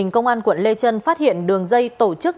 công an quận lê trân phát hiện đường dây tổ chức